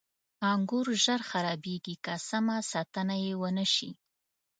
• انګور ژر خرابېږي که سمه ساتنه یې ونه شي.